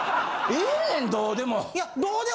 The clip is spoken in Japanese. ええねんどうでも！